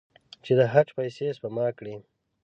چې د حج پیسې سپما کړي.